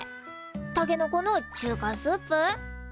たけのこの中華スープ？